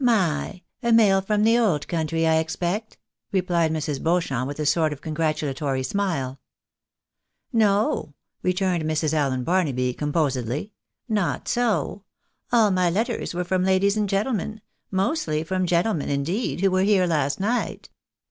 " My ! A mail from the old country, I expect ?" replied Mrs. Beauchamp, with a sort of congratulatory smile. " No," returned Mrs. Allen Barnaby composedly, " not so. All my letters were from ladies and gentlemen — mostly from gentle men, indeed, who were here last night."